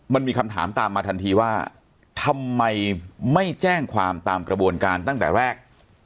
มันมีคำถามตามมาทันทีว่าทำไมไม่แจ้งความตามกระบวนการตั้งแต่แรก